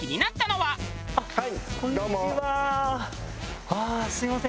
はい。